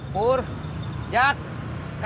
yang baik aja